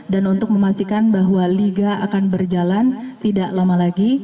dan untuk memastikan bahwa liga akan berjalan tidak lama lagi